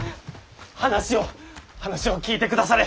話を話を聞いてくだされ！